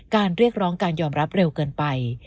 เรียกร้องการยอมรับเร็วเกินไป